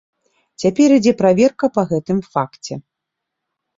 Цяпер ідзе праверка па гэтым факце.